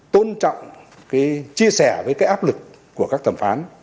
tôn trọng cái chia sẻ với cái áp lực của các thẩm phán